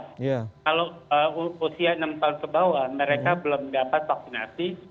kalau usia enam tahun ke bawah mereka belum dapat vaksinasi